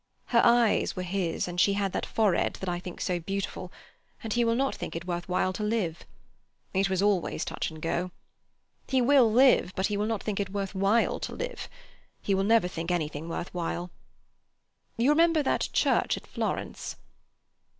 Her eyes were his, and she had that forehead that I think so beautiful, and he will not think it worth while to live. It was always touch and go. He will live; but he will not think it worth while to live. He will never think anything worth while. You remember that church at Florence?"